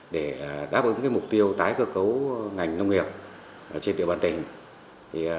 để đáp ứng mục tiêu tái cơ cấu ngành nông nghiệp trên địa bàn tỉnh